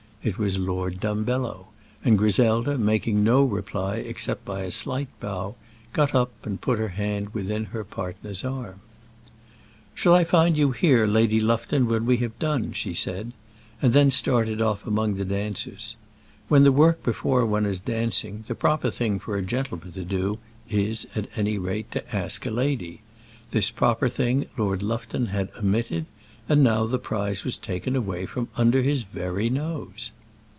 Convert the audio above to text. It was Lord Dumbello; and Griselda, making no reply except by a slight bow, got up and put her hand within her partner's arm. "Shall I find you here, Lady Lufton, when we have done?" she said; and then started off among the dancers. When the work before one is dancing the proper thing for a gentleman to do is, at any rate, to ask a lady; this proper thing Lord Lufton had omitted, and now the prize was taken away from under his very nose.